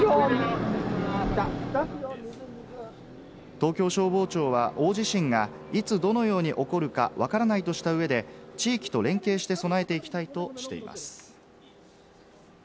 東京消防庁は大地震がいつどのように起こるかわからないとした上で、地域と連携して備えていきたいとしています。